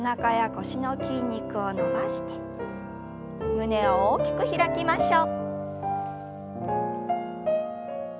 胸を大きく開きましょう。